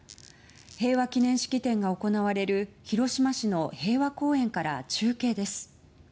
平和記念式典が行われる広島市の平和公園から中継です。